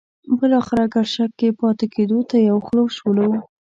بالاخره ګرشک کې پاتې کېدو ته یو خوله شولو.